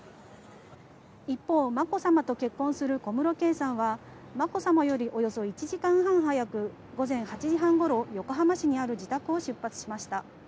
一方、まこさまと結婚する小室圭さんは、まこさまよりおよそ１時間半早く午前８時半頃、横浜市にある自宅を出発しました。